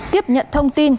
tiếp nhận thông tin